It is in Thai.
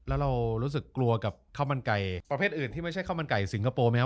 แล้วเรารู้สึกกลัวกับข้าวมันไก่ประเภทอื่นที่ไม่ใช่ข้าวมันไก่สิงคโปร์ไหมครับ